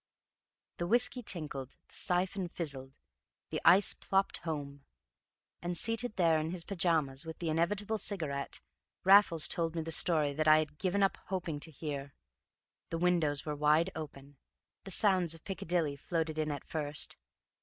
The whiskey tinkled, the syphon fizzed, the ice plopped home; and seated there in his pyjamas, with the inevitable cigarette, Raffles told me the story that I had given up hoping to hear. The windows were wide open; the sounds of Piccadilly floated in at first.